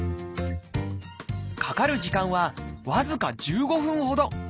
かかる時間は僅か１５分ほど。